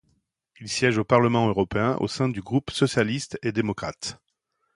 Il siège au Parlement européen au sein du groupe Socialistes et démocrates.